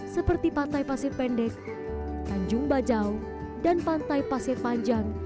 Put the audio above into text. seperti pantai pasir pendek tanjung bajau dan pantai pasir panjang